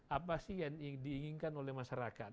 apa sih yang diinginkan oleh masyarakat